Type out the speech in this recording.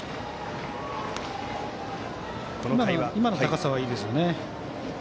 今の高さはいいですね。